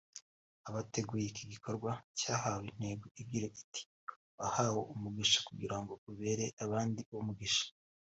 Abateguye iki gikorwa cyahawe intego igira iti "Wahawe umugisha kugira ngo ubere abandi umugisha"